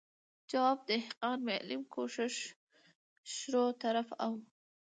جواب، دهقان، معلم، کوشش، شروع، طرف او ...